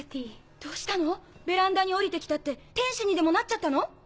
どうしたの⁉ベランダに降りて来たって天使にでもなっちゃったの？